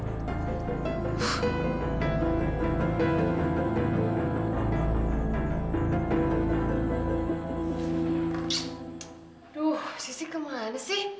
aduh sissy kemana sih